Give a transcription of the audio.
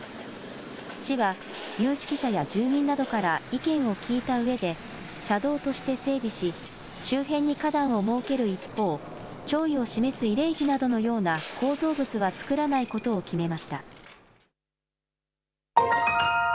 市は有識者や住民などから意見を聞いたうえで、車道として整備し、周辺に花壇を設ける一方、弔意を示す慰霊碑などのような構造物は作らないことを決めました。